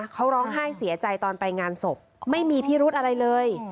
เขาร้องไห้เสียใจตอนไปงานศพไม่มีพิรุธอะไรเลย